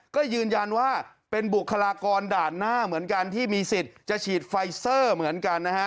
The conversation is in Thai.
ก็ยืนยันว่าเป็นบุคลากรด่านหน้าเหมือนกันที่มีสิทธิ์จะฉีดไฟเซอร์เหมือนกันนะฮะ